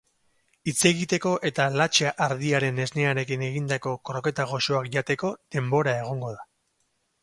Hitz egiteko eta latxa ardiaren esnearekin egindako kroketa goxoak jateko denbora egongo da.